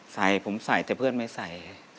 ใส่ผมใส่แต่เพื่อนไม่ใส่